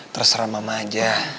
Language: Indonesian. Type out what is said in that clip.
terserah mama aja